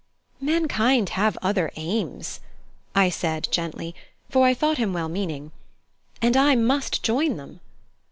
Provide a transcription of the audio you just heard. "Mankind have other aims," I said gently, for I thought him well meaning; "and I must join them."